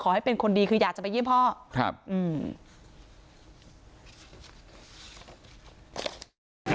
ขอให้เป็นคนดีคืออยากจะไปเยี่ยมพ่อครับอืม